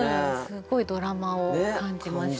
すっごいドラマを感じました。